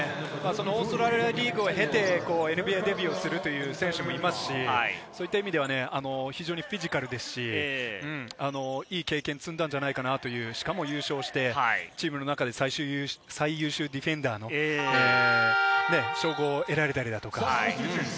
オーストラリアリーグを経て、ＮＢＡにデビューする選手もいますし、そういった意味ではフィジカルですし、いい経験を積んだんじゃないかなと、しかも優勝してチームの中で最優秀ディフェンダーの称号を得られたりとか。